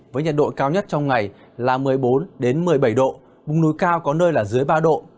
với nhiệt độ cao nhất trong ngày là một mươi bốn một mươi bảy độ vùng núi cao có nơi là dưới ba độ